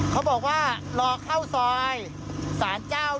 เขาบอกว่ารอเข้าซอยสารเจ้า